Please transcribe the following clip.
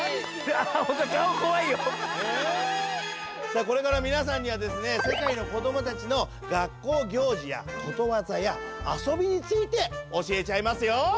さあこれからみなさんにはですね世界のこどもたちの学校行事やことわざや遊びについておしえちゃいますよ。